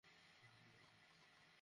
Moli, Moli.